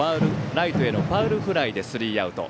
ライトへのファウルフライでスリーアウト。